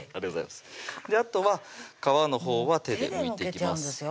あとは皮のほうは手でむいていきます